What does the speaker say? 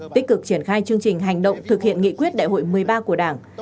tích cực triển khai chương trình hành động thực hiện nghị quyết đại hội một mươi ba của đảng